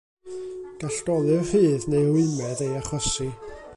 Gall dolur rhydd neu rwymedd ei achosi.